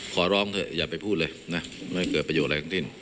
ขอร้องเถอะอย่าไปพูดเลยนะไม่เกิดประโยชนอะไรทั้งสิ้น